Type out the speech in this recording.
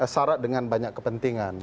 syarat dengan banyak kepentingan